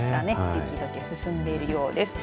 雪どけ進んでいるようです。